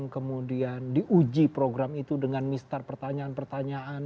kemudian diuji program itu dengan mistar pertanyaan pertanyaan